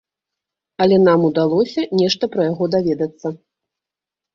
Але нам удалося нешта пра яго даведацца.